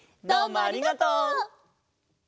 どうもありがとう！